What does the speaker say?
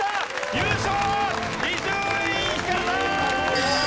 優勝は伊集院光さん！